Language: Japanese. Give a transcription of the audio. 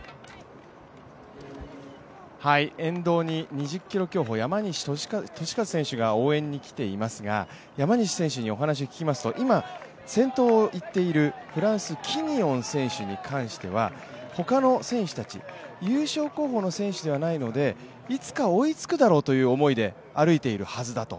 沿道に２０ｋｍ競歩山西利和選手が応援に来ていますが、山西選手にお話を聞きますと、今先頭を行っているフランス、キニオン選手に関しては、他の選手たち優勝候補の選手ではないのでいつか追いつくだろうという思いで歩いているはずだと。